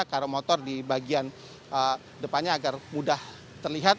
karo motor di bagian depannya agar mudah terlihat